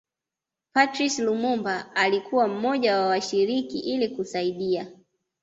Patrice Lumumba alikuwa mmoja wa washiriki ili kusaidia